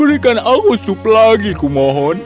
berikan aku sup lagi kumohon